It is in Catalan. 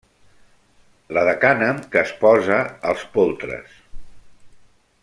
La de cànem que es posa als poltres.